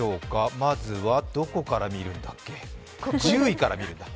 まずはどこから見るんだっけ、１０位から見るんだ。